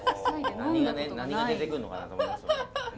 何が出てくんのかなと思いますよね。